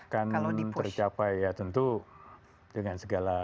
kami tercapai ya tentu dengan segala